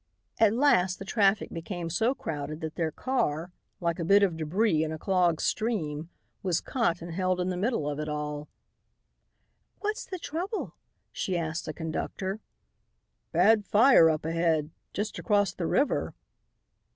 At last the traffic became so crowded that their car, like a bit of debris in a clogged stream, was caught and held in the middle of it all. "What's the trouble?" she asked the conductor. "Bad fire up ahead, just across the river."